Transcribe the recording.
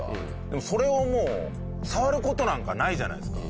でもそれをもう触る事なんかないじゃないですか。